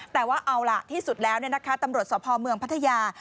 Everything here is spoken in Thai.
แต่ว่าเอาล่ะที่สุดแล้วตำรวจสพเมืองพัทยา